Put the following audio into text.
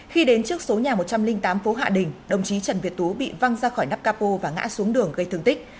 khi đến trước số nhà một trăm linh tám phố hạ đình đồng chí trần việt tú bị văng ra khỏi nắp capo và ngã xuống đường gây thương tích